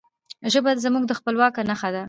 ژبه زموږ د خپلواکی نښه ده.